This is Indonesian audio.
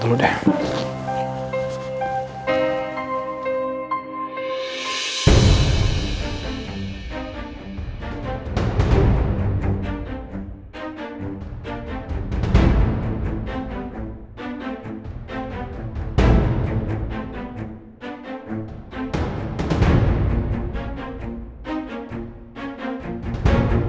aku mau ke tempat yang lebih baik